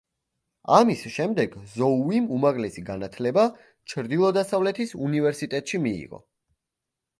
ამის შემდეგ ზოუიმ უმაღლესი განათლება ჩრდილოდასავლეთის უნივერსიტეტში მიიღო.